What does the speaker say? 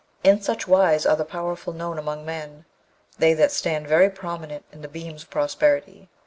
In such wise are the powerful known among men, they that stand very prominent in the beams of prosperity!